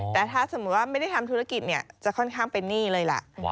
แต่ถ้าสมมุติว่าไม่ได้ทำธุรกิจเนี่ยจะค่อนข้างเป็นหนี้เลยล่ะ